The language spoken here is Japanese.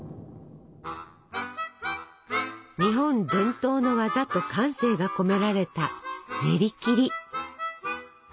日本伝統の技と感性が込められたねりきり。